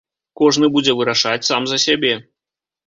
Кожны будзе вырашаць сам за сябе.